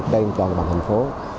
đây toàn bằng thành phố